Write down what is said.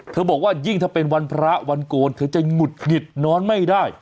บอกว่ายิ่งถ้าเป็นวันพระวันโกนเธอจะหงุดหงิดนอนไม่ได้